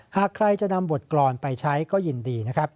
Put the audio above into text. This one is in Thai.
หากใครจะนำบทกรรมไปใช้ก็ยินดีนะครับ